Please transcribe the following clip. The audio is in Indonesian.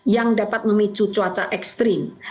yang dapat memicu cuaca ekstrim